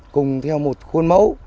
cùng theo một khuôn mẫu